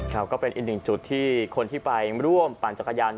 ก็เป็นอีกหนึ่งจุดที่คนที่ไปร่วมปั่นจักรยาน